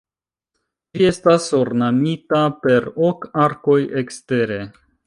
Ĝi estas ornamita per ok arkoj ekstere.